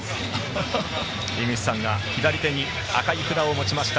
井口さんが左手に赤い札を持ちました